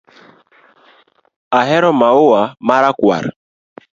Ahero maua ma rakwar